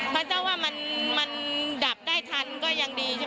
พระเจ้าว่ามันดับได้ทันก็ยังดี